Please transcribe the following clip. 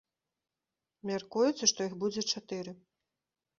Мяркуецца, што іх будзе чатыры.